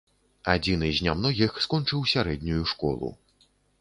Адзіны з нямногіх скончыў сярэднюю школу.